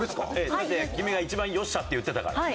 だって君が一番「よっしゃ」って言ってたから。